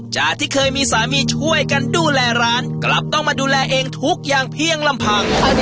จากที่เคยมีสามีช่วยกันดูแลร้านกลับต้องมาดูแลเองทุกอย่างเพียงลำพัง